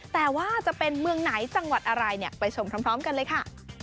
แต่ว่าจะเป็นเมืองไหนจังหวัดอะไรเนี่ยไปชมพร้อมกันเลยค่ะ